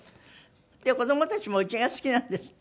子供たちも家が好きなんですって？